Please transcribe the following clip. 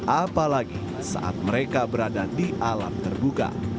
apalagi saat mereka berada di alam terbuka